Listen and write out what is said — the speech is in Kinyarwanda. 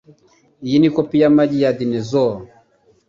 Iyi ni kopi yamagi ya dinosaur.